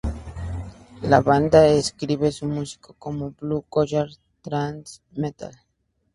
La banda describe su música como "Blue Collar Thrash Metal".